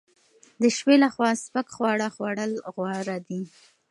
د شپې لخوا سپک خواړه خوړل غوره دي.